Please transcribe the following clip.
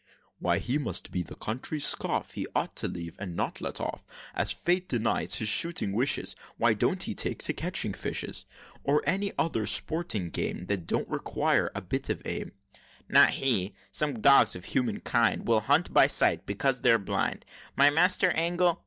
"Why, he must be the country's scoff! He ought to leave, and not let, off! As fate denies his shooting wishes, Why don't he take to catching fishes? Or any other sporting game, That don't require a bit of aim?" "Not he! Some dogs of human kind Will hunt by sight, because they're blind. My master angle!